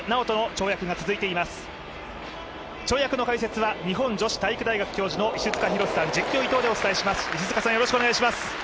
跳躍の解説は日本女子体育大学教授の石塚浩さん、実況、伊藤でお伝えします。